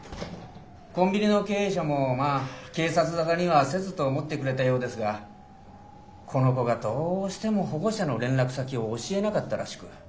コンビニの経営者もまあ警察沙汰にはせずと思ってくれたようですがこの子がどうしても保護者の連絡先を教えなかったらしく。